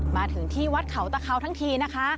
มาถึงที่วัดเขาตะเขาทั้งทีนะคะ